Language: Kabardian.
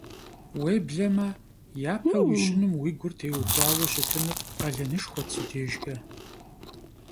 Vuêbleme yape vuişınım vui gur têuxuaue şıtınır khalenışşxuet si dêjjç'e.